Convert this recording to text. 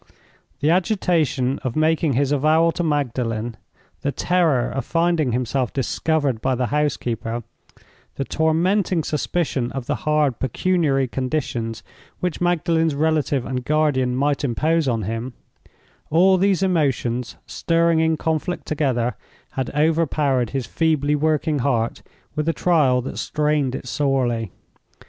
The agitation of making his avowal to Magdalen; the terror of finding himself discovered by the housekeeper; the tormenting suspicion of the hard pecuniary conditions which Magdalen's relative and guardian might impose on him—all these emotions, stirring in conflict together, had overpowered his feebly working heart with a trial that strained it sorely.